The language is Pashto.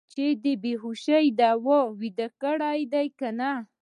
چې د بې هوشۍ دوا یې ویده کړي دي که نه.